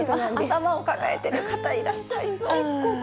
頭を抱えてる方、いらっしゃいそう。